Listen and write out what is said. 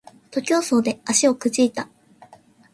徒競走で足をくじいた